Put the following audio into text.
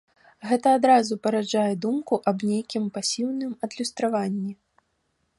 Гэта адразу параджае думку аб нейкім пасіўным адлюстраванні.